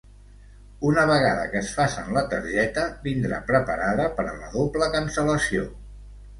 Una vegada que es facen la targeta vindrà preparada per a la doble cancel·lació.